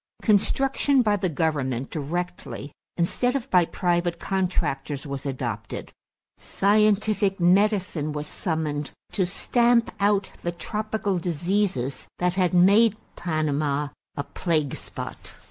Construction by the government directly instead of by private contractors was adopted. Scientific medicine was summoned to stamp out the tropical diseases that had made Panama a plague spot.